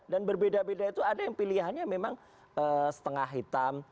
dan berbeda beda itu ada yang pilihannya memang setengah hitam